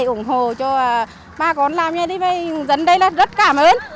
ủng hộ cho bà con làm như thế này dân đây là rất cảm ơn